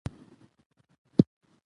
چي ملخ ته یې نیژدې کړله مشوکه